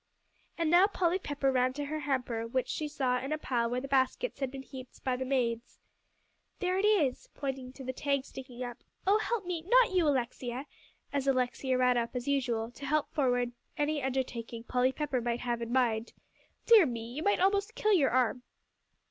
And now Polly Pepper ran to her hamper, which she saw in a pile where the baskets had been heaped by the maids. "There it is," pointing to the tag sticking up; "oh, help me, not you, Alexia," as Alexia ran up as usual, to help forward any undertaking Polly Pepper might have in mind. "Dear me! you might almost kill your arm."